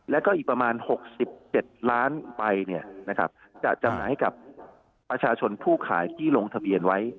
แล้วก็อีกประมาณหกสิบเจ็ดล้านไปเนี่ยนะครับจะจำนายให้กับประชาชนผู้ขายที่ลงทะเบียนไว้